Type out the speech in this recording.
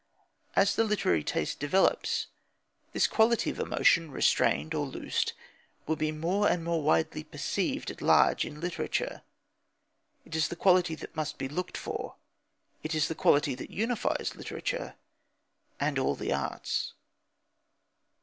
As the literary taste develops, this quality of emotion, restrained or loosed, will be more and more widely perceived at large in literature. It is the quality that must be looked for. It is the quality that unifies literature (and all the arts).